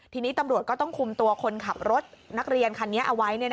ทีนี้ตำรวจก็ต้องคุมตัวคนขับรถนักเรียนคันนี้เอาไว้